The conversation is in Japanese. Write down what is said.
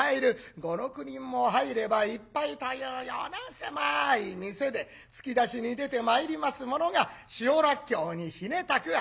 ５６人も入ればいっぱいというような狭い店で突き出しに出てまいりますものが塩らっきょうにひねたくあん。